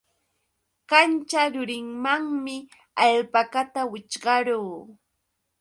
Kanćha rurimanmi alpakata wićhqarqu.